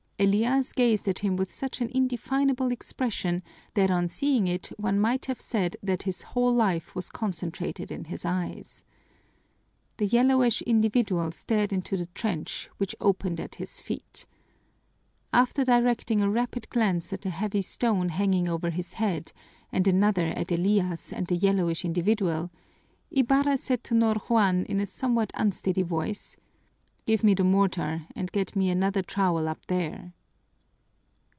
Elias gazed at him with such an indefinable expression that on seeing it one might have said that his whole life was concentrated in his eyes. The yellowish individual stared into the trench, which opened at his feet. After directing a rapid glance at the heavy stone hanging over his head and another at Elias and the yellowish individual, Ibarra said to Ñor Juan in a somewhat unsteady voice, "Give me the mortar and get me another trowel up there."